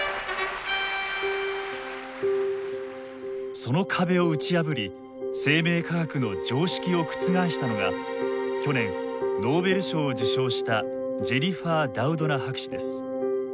その壁を打ち破り生命科学の常識を覆したのが去年ノーベル賞を受賞したジェニファー・ダウドナ博士です。